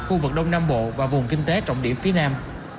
khu vực đông nam bộ và vùng kinh tế trọng điểm phía nam